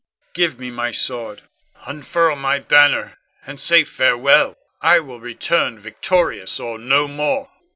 Give me my sword, unfurl my banner, and say farewell. I will return victorious, or no more.